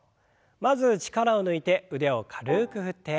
まず力を抜いて腕を軽く振って。